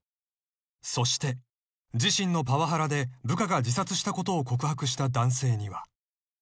［そして自身のパワハラで部下が自殺したことを告白した男性には］